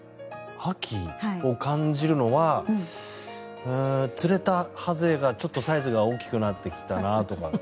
秋を感じるのは釣れたハゼがちょっとサイズが大きくなってきたなとか。